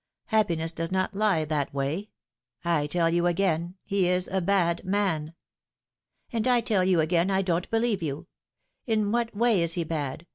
Happiness does not lie that way. I tell you again, he is a bad man." " And I tell you again I don't believe you. In what way ia he bad